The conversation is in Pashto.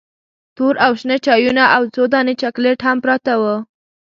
تور او شنه چایونه او څو دانې چاکلیټ هم پراته وو.